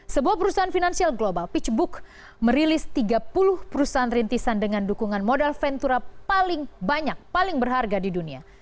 sebuah perusahaan finansial global pitchbook merilis tiga puluh perusahaan rintisan dengan dukungan modal ventura paling banyak paling berharga di dunia